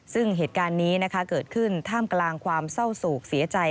ซึ่งเหตุการณ์นี้นะคะเกิดขึ้นท่ามกลางความเศร้าโศกเสียใจ